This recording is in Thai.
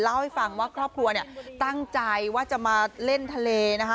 เล่าให้ฟังว่าครอบครัวเนี่ยตั้งใจว่าจะมาเล่นทะเลนะคะ